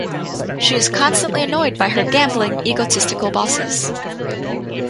She is constantly annoyed by her gambling, egotistical bosses.